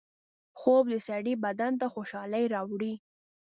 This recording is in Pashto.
خوب د سړي بدن ته خوشحالۍ راوړي